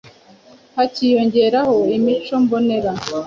hakiyongeraho imico mbonera.